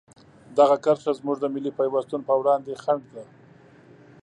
دغه کرښه زموږ د ملي پیوستون په وړاندې خنډ ده.